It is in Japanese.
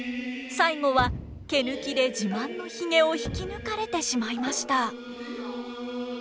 最後は毛抜きで自慢のひげを引き抜かれてしまいました。